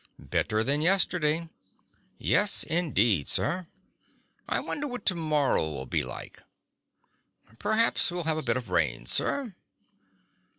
"Better than yesterday." "Yes indeed, sir." "I wonder what tomorrow'll be like." "Perhaps we'll have a bit of rain, sir."